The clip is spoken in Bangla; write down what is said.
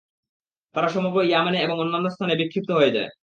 তারা সমগ্র ইয়ামানে এবং অন্যান্য স্থানে বিক্ষিপ্ত হয়ে যায়।